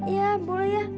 ya boleh ya